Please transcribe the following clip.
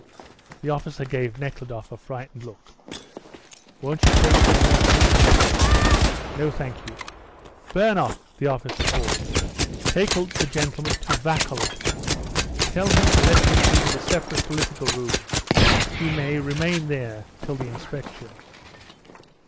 The officer gave Nekhludoff a frightened look. "Won't you take some more tea?" he said. "No, thank you." "Bernoff!" the officer called, "take the gentleman to Vakouloff. Tell him to let him into the separate political room. He may remain there till the inspection."